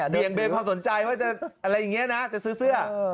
เนี่ยเบนพอสนใจว่าจะอะไรอย่างเงี้ยนะจะซื้อเสื้อ